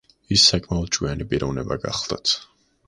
ის საკმაოდ ჭკვიანი პიროვნება გახლდათ.